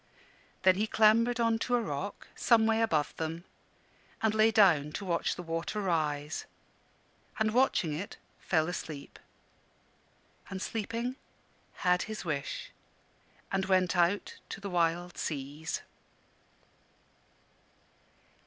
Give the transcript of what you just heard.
Then he clambered on to a rock, some way above them, and lay down to watch the water rise; and watching it, fell asleep; and sleeping, had his wish, and went out to the wide seas.